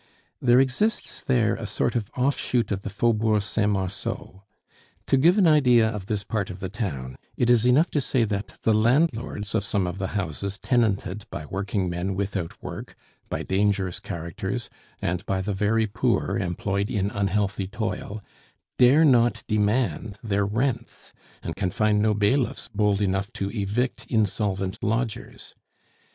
There exists there a sort of offshoot of the Faubourg Saint Marceau. To give an idea of this part of the town, it is enough to say that the landlords of some of the houses tenanted by working men without work, by dangerous characters, and by the very poor employed in unhealthy toil, dare not demand their rents, and can find no bailiffs bold enough to evict insolvent lodgers.